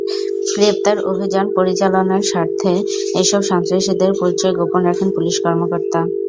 গ্রেপ্তার অভিযান পরিচালনার স্বার্থে এসব সন্ত্রাসীদের পরিচয় গোপন রাখেন পুলিশ কর্মকর্তা।